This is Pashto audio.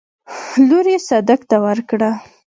لور يې صدک ته ورکړه.